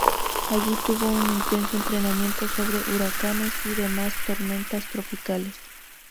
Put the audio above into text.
Allí tuvo un intenso entrenamiento sobre huracanes y demás tormentas tropicales.